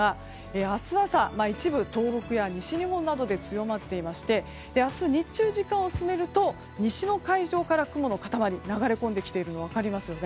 明日朝、一部東北や西日本などで強まっていまして明日日中、時間を進めると西の海上から雲の塊が流れ込んできているのが分かりますよね。